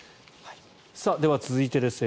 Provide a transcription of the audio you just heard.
では、続いてです。